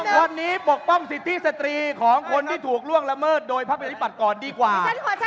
วันนี้ปกป้องสิทธิสตรีของคนที่ถูกล่วงละเมิดโดยพักประชาธิปัตย์ก่อนดีกว่า